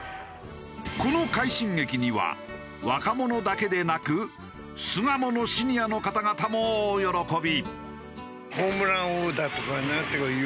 この快進撃には若者だけでなく巣鴨のシニアの方々も大喜び。